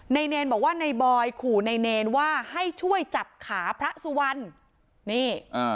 เนรบอกว่าในบอยขู่ในเนรว่าให้ช่วยจับขาพระสุวรรณนี่